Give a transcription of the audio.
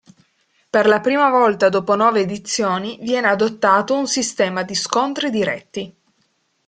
Per la prima volta dopo nove edizioni, viene adottato un sistema di scontri diretti.